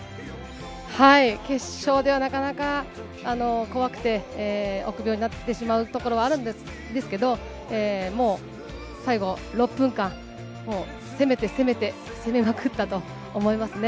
決勝ではなかなか怖くて、臆病になってしまうところはあるんですけど、もう、最後、６分間、もう攻めて攻めて攻めまくったと思いますね。